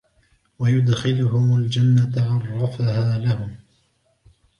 وَيُدْخِلُهُمُ الْجَنَّةَ عَرَّفَهَا لَهُمْ